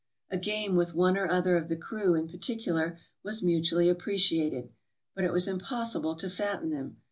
A game with one or other of the crew, in particular, was mutually appreciated; but it was impossible to fatten them.